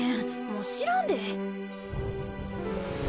もうしらんで。